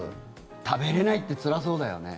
食べれないってつらそうだよね。